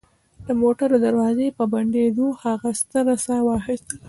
د موټر دروازې په بندېدو هغه ستره ساه واخیستله